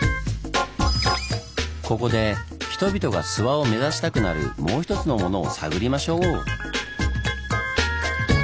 ここで人々が諏訪を目指したくなるもう一つのものを探りましょう！